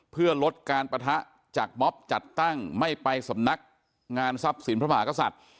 เพื่อลดการปะทะจากม็อบจัดตั้งไม่ไปสำนักงานทรัพย์สินพระมหากษัตริย์